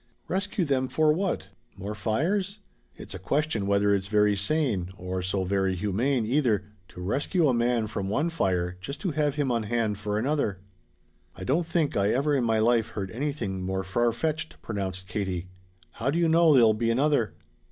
"Rescue them for what? More fires? It's a question whether it's very sane, or so very humane, either, to rescue a man from one fire just to have him on hand for another." "I don't think I ever in my life heard anything more farfetched," pronounced Katie. "How do you know there'll be another?"